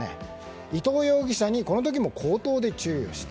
伊藤容疑者にこの時も口頭で注意をした。